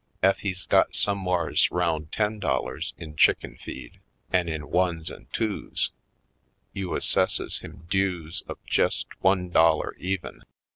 Ef he's got somewhars 'round ten dollars in chicken feed an' in ones an' twos, you asses ses him dues of jest one dollar even.